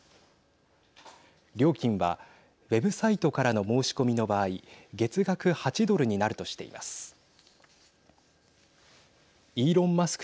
料金はウェブサイトからの申し込みの場合月額８ドルになるとしています。イーロン・マスク